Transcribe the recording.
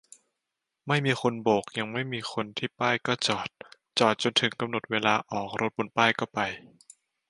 ไม่มีคนโบก-ยังไม่มีคนที่ป้ายก็จอด จอดจนถึงกำหนดเวลาออกรถบนป้ายก็ไป